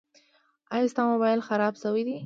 ایا ستا مبایل خراب شوی ده؟